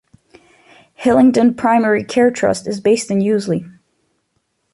Hillingdon Primary Care Trust is based in Yiewsley.